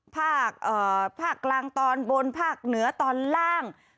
ภาคกลางตอนบนภาคเหนือตอนล่าง